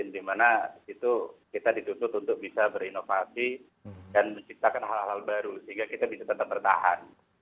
dimana kita ditutup untuk bisa berinovasi dan menciptakan hal hal baru sehingga kita bisa tetap bertahan